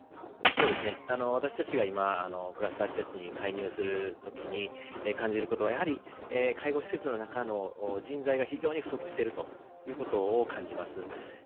私たちが今、クラスター施設に介入するときに感じることは、介護施設の中の人材が非常に不足しているということを感じます。